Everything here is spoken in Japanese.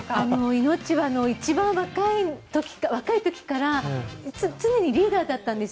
イノッチは一番若い時から常にリーダーだったんです。